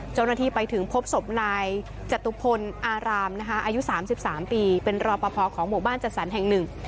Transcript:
เจ้าหน้าที่ไปถึงพบศพนายจตุพลอารามนะคะอายุ๓๓ปีเป็นรอปภของหมู่บ้านจัดสรรแห่งหนึ่ง